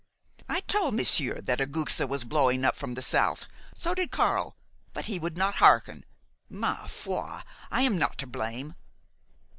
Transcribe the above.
"I told monsieur that a guxe was blowing up from the south; so did Karl; but he would not hearken. Ma foi! I am not to blame."